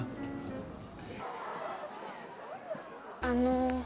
あの。